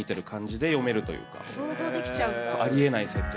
ありえない設定。